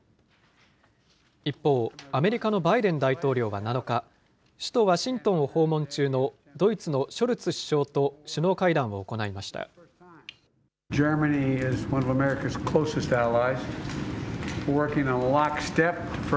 一方、アメリカのバイデン大統領は７日、首都ワシントンを訪問中のドイツのショルツ首相と首脳会談を行いました。